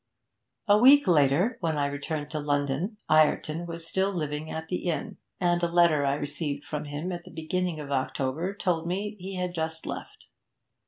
A week later, when I returned to London, Ireton was still living at the little inn, and a letter I received from him at the beginning of October told me he had just left.